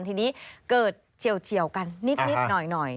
ทีนี้เกิดเฉียวกันนิดหน่อย